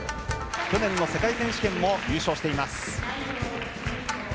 去年の世界選手権も優勝しています。